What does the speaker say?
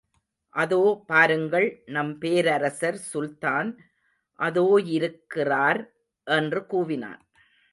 அதோ பாருங்கள் நம் பேரரசர் சுல்தான் அதோயிருக்கிறார்! என்று கூவினான்.